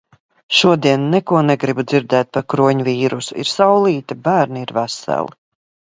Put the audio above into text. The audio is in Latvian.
Šodien neko negribu dzirdēt par kroņvīrusu! Ir saulīte. Bērni ir veseli.